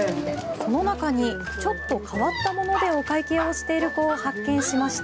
その中にちょっと変わったものでお会計をしている子を発見しました。